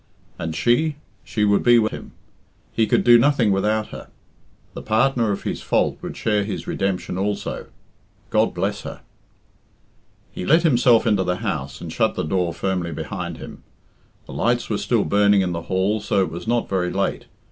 And she she would be with him. He could do nothing without her. The partner of his fault would share his redemption also. God bless her! He let himself into the house and shut the door firmly behind him. The lights were still burning in the hall, so it was not very late.